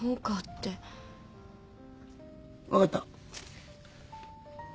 分かった。